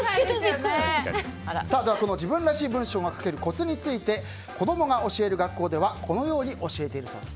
では自分らしい文章が書けるコツについて子どもが教える学校ではこのように教えているそうです。